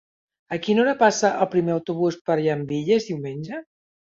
A quina hora passa el primer autobús per Llambilles diumenge?